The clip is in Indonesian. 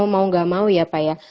mau nggak mau ya pak ya